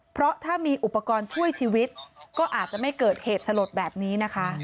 เพราะถ้ามีอุปกรณ์ช่วยชีวิตก็อาจจะไม่เกิดเหตุสลดแบบนี้นะคะ